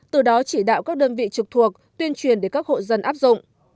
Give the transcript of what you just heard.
từ đó chỉ đạo các đơn vị trực thuộc tuyên truyền để các hộ dân áp dụng